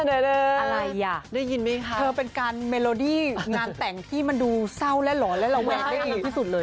อะไรอ่ะได้ยินมั้ยค่ะเธอเป็นการเมโลดี้งานแต่งที่มันดูเศร้าและหรอและระวังได้อีก